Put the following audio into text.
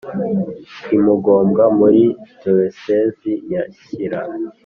i Mugombwa muri Diyosezi ya shyira